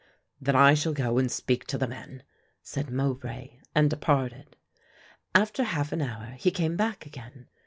"Then I shall go and speak to the men," said Mowbray, and departed. After half an hour he came back again.